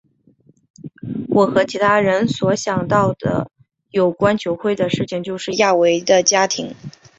我和其他人所想到有关球会的事情就是亚维的家庭。